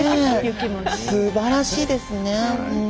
すばらしいですね。